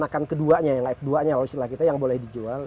ya jadi itu anak anak kedua f dua nya kalau istilah kita yang boleh dijual